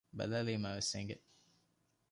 ބަލާލީމައިވެސް އެނގެ